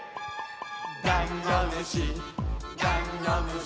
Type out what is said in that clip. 「だんごむしだんごむし」